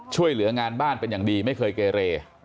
ช่วยเหลืองานบ้านเป็นอย่างดีไม่เคยเกเร